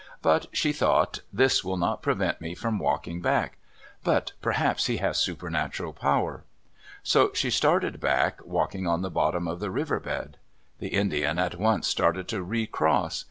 But she thought, "This will not prevent me from walking back. But perhaps he has supernatural power." So she started back, walking on the bottom of the river bed. The Indian at once started to recross.